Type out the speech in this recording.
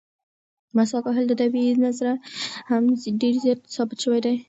مسواک وهل د طبي نظره هم ډېر زیات ثابت شوي دي.